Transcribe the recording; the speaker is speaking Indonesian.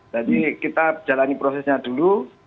jadi kita jalani prosesnya dulu